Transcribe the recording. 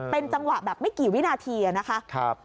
เป็นจังหวะแบบไม่กี่วินาทีนะคะ